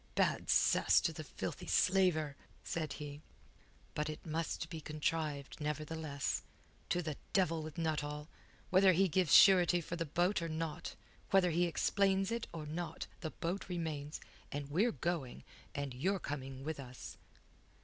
"Bad cess to the filthy slaver!" said he. "But it must be contrived, nevertheless. To the devil with Nuttall! Whether he gives surety for the boat or not, whether he explains it or not, the boat remains, and we're going, and you're coming with us."